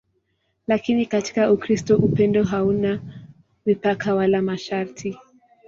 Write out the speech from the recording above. Lakini katika Ukristo upendo hauna mipaka wala masharti.